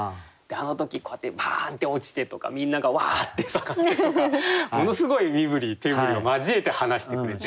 あの時こうやってバーンって落ちてとかみんながワーッて盛ってとかものすごい身振り手振りを交えて話してくれてるんですよね。